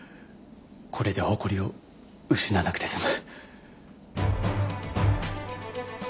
これで誇りを失わなくて済む。